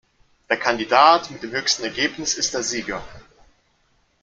Der Kandidat mit dem höchsten Ergebnis ist der Sieger.